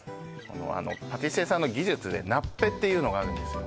パティシエさんの技術でナッペっていうのがあるんですよ